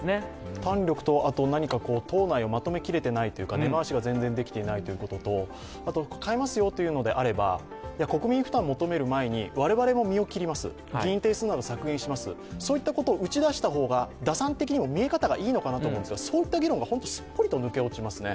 胆力と、あと何か党内をまとめ切れていないというか根回しが全然できていないということと、あと変えますよということであれば国民負担を求める前に我々も身を切ります、議員定数など削減します、そういうことを打ち出して、打算的にも見え方がいいのかなと思うんですがそういった議論がすっぽりと抜け落ちますね。